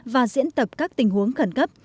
và diễn tập các tình huống khẩn cấp